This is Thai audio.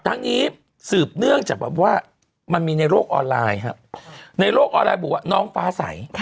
ทั้งนี้สืบเนื่องจากแบบว่ามันมีในโลกออนไลน์ครับในโลกออนไลน์บอกว่าน้องฟ้าใส